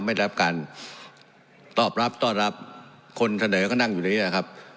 ไม่ได้รับการตอบรับตอบรับคนท่านไหนก็นั่งอยู่ในนี้นะครับ